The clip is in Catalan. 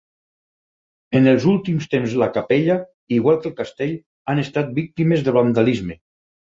En els últims temps la capella, igual que el castell, han estat víctimes del vandalisme.